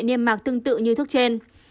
nêm mạc tương tự như thuốc trên